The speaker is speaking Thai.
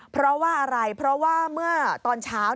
เพราะว่าอะไรเพราะว่าเมื่อตอนเช้า